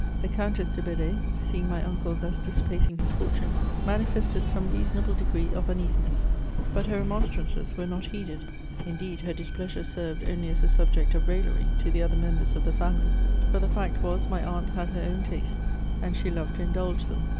The Countess de Bed^, seeing my uncle thus dissipating his fortune, manifested some reasonable degree of uneasiness. But her remonstrances were not heeded. Indeed, her displeasure served only as a subject of raillery to the other members of the family, for the fact was, my aunt had her own tastes, and she loved to indulge them.